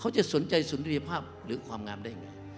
จะสนใจสุนทรียภาพหรือความงามได้ยังไง